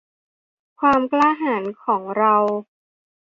ความกล้าหาญกล้าของเรา